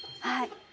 はい。